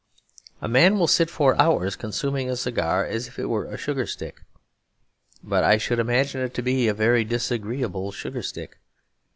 A man will sit for hours consuming a cigar as if it were a sugar stick; but I should imagine it to be a very disagreeable sugar stick.